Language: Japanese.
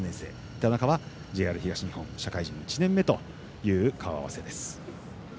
田中はＪＲ東日本社会人１年目という顔合わせです。